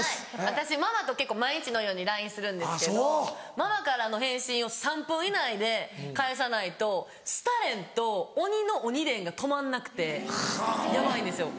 私ママと結構毎日のようにＬＩＮＥするんですけどママからの返信を３分以内で返さないとスタ連と鬼の鬼電が止まんなくてヤバいんですよ。